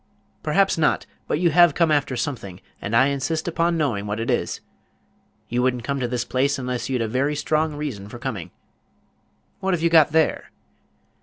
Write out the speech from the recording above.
"Perhaps not; but you have come after something, and I insist upon knowing what it is. You would n't come to this place unless you'd a very strong reason for coming. What have you got there?"